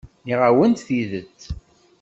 Nniɣ-awen-d tidet.